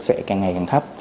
sẽ càng ngày càng thấp